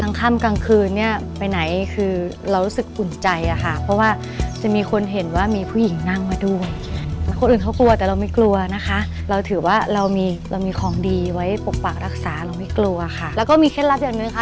นะคะเราถือว่าเรามีเรามีของดีไว้ปกปักรักษาเราไม่กลัวค่ะแล้วก็มีเคล็ดลับอย่างนึงค่ะ